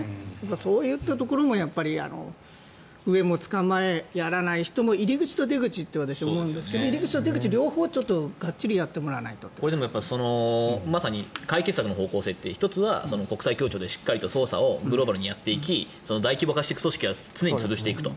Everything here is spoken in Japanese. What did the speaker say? そういうところも上も捕まえ、やらない人も入り口と出口と私は思うんですが入り口と出口の両方まさに解決策の方向性って１つは国際協調でしっかり捜査をグローバルにやっていき大規模化していく組織は常に潰していくと。